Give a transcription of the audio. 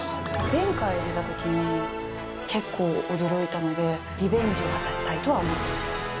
前回出たときに、結構驚いたので、リベンジを果たしたいとは思っています。